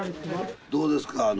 どうですか？